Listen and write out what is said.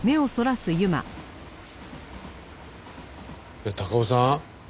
えっ高尾さん？